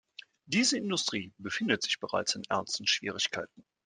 Diese Industrie befindet sich bereits in ernsten Schwierigkeiten.